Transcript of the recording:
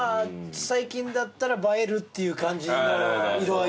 最近だったら映えるっていう感じの色合いだよね。